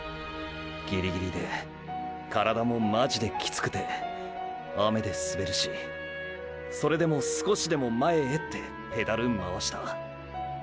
ギリギリで体もマジでキツくて雨で滑るしそれでも少しでも前へってペダル回した。